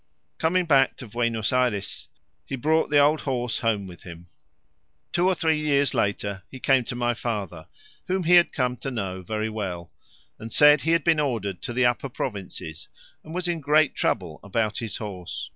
Coming back to Buenos Ayres he brought the old horse home with him. Two or three years later he came to my father, whom he had come to know very well, and said he had been ordered to the upper provinces and was in great trouble about his horse.